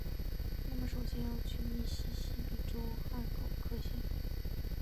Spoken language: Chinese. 那么首先要去密西西比州汉考克县！